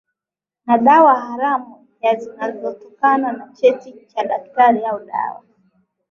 na dawa haramu na zinazotokana na cheti cha daktari au dawa